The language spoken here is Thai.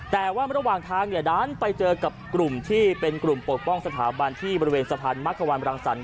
แต่ว่าระหว่างทางดันไปเจอกับกลุ่มที่เป็นกลุ่มปกป้องสถาบันที่บริเวณสะพานมักขวานบรังสรรค